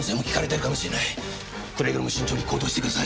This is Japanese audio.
くれぐれも慎重に行動してください。